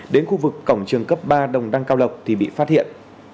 đến khu vực cổng trường cấp ba đồng đăng cao lộc thì bị phát hiện